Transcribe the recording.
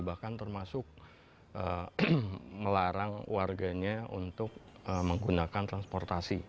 bahkan termasuk melarang warganya untuk menggunakan transportasi